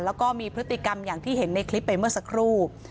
แล้วก็มีพฤติกรรมอย่างที่เห็นในคลิปไปเมื่อสักครู่